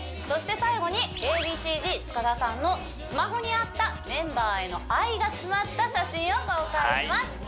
そして最後にＡ．Ｂ．Ｃ−Ｚ塚田さんのスマホにあったメンバーへの愛が詰まった写真を公開します